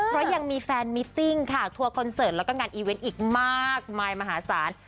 เพราะยังมีแฟนมิตติ้งค่ะทัวร์คอนเสิร์ตแล้วก็งานอีเวนต์อีกมากมายมหาศาล